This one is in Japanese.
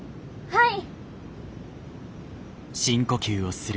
はい！